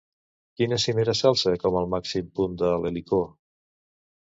Quina cimera s'alça com el màxim punt de l'Helicó?